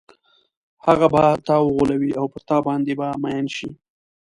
هغه به تا وغولوي او پر تا باندې به مئین شي.